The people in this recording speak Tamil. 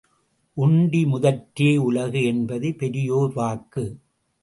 உண்டி முதற்றே உலகு என்பது பெரியோர் வாக்கு.